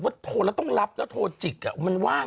เลยทำแล้วก็งุนะทีมันว่าง